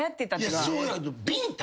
そうやけどビンタ！？